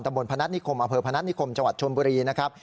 ตะบนพนัฐนิคมอเผอพนัฐนิคมจวัดชมบุรีนะครับ